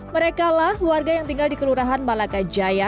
mereka lah warga yang tinggal di kelurahan malaccajaya